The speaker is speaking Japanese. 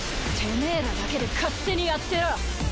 てめぇらだけで勝手にやってろ。